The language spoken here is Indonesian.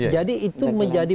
jadi itu menjadi